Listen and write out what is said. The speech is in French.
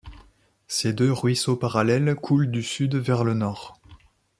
Ces deux ruisseaux parallèles coulent du sud vers le nord.